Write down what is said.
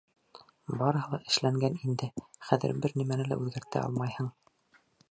Барыһы ла эшләнгән инде, хәҙер бер нимәне лә үҙгәртә алмайһың.